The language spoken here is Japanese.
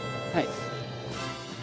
はい。